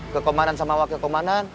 ke komandan sama wakil komandan